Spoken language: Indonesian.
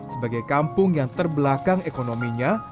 sebagai kampung yang terbelakang ekonominya